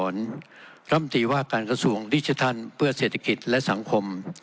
รัฐมนตรีว่าการกระทรวงดิจิทัลเพื่อเศรษฐกิจและสังคม